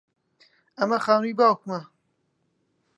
ئەمە خانووی باوکمە.